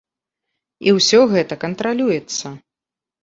І ўсё гэта кантралюецца.